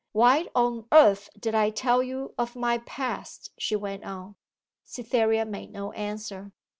'Why on earth did I tell you of my past?' she went on. Cytherea made no answer.